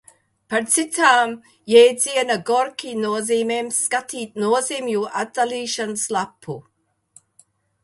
Par citām jēdziena Gorki nozīmēm skatīt nozīmju atdalīšanas lapu.